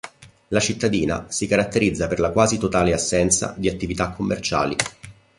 La cittadina si caratterizza per la quasi totale assenza di attività commerciali.